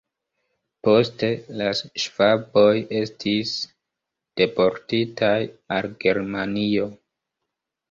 Poste la ŝvaboj estis deportitaj al Germanio.